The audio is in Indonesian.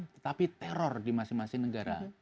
tetapi teror di masing masing negara